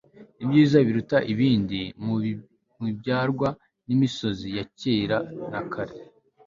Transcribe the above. ibyiza biruta ibindi mu bibyarwa n'imisozi ya kera na kare